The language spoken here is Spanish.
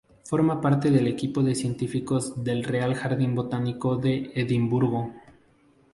Forma parte del equipo de científicos del Real Jardín Botánico de Edimburgo.